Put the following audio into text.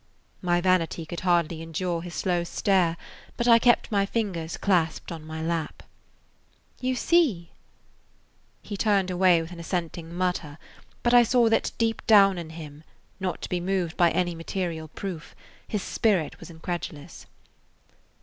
My vanity could hardly endure his slow stare, but I kept my fingers clasped on my lap. "You see?" [Page 63] He turned away with an assenting mutter; but I saw that deep down in him, not to be moved by any material proof, his spirit was incredulous.